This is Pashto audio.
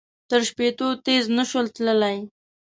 تر شپېتو تېز نه شول تللای.